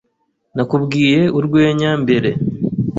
Nakubwiye urwenya mbere?